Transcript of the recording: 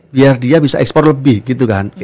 biar dia bisa ekspor lebih gitu kan